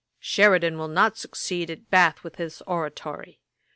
'Sheridan will not succeed at Bath with his oratory.